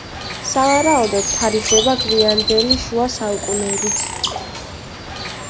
სავარაუდოდ, თარიღდება გვიანდელი შუა საუკუნეებით.